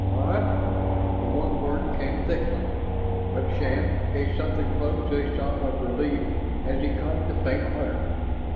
"What ?" The one word came thickly, but Shann gave something close to a sob of relief as he caught the faint mutter.